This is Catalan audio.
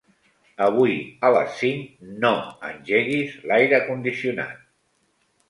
Avui a les cinc no engeguis l'aire condicionat.